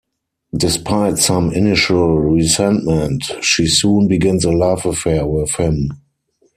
Despite some initial resentment, she soon begins a love affair with him.